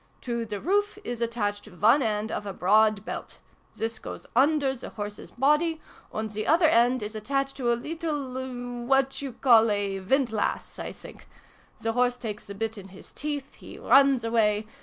To the roof is attached one end of a broad belt. This goes under the horse's body, and the other end is attached to a leetle what you call a ' wind lass,' I think. The horse takes the bit in his teeth, He runs away.